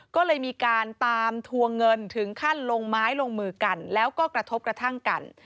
ก็เลยมีการตามทวงเงินถึงขั้นลงไม้ลงมือกันแล้วก็กระทบกระทั่งกัน